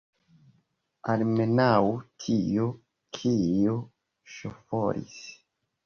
Almenaŭ tiu, kiu ŝoforis!